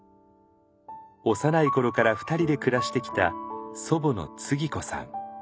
幼い頃から二人で暮らしてきた祖母のつぎ子さん。